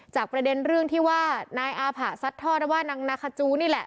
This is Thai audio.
ประเด็นเรื่องที่ว่านายอาผะซัดทอดว่านางนาคาจูนี่แหละ